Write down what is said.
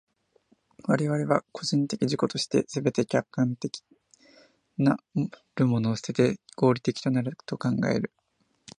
我々は個人的自己として、すべて直観的なるものを棄てて、合理的となると考える。